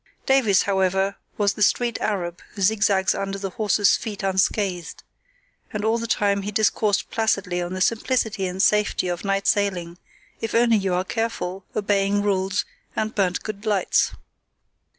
Davies, however, was the street arab who zigzags under the horses' feet unscathed; and all the time he discoursed placidly on the simplicity and safety of night sailing if only you are careful, obeying rules, and burnt good lights.